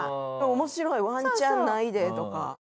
面白い「ワンチャンないで」とか。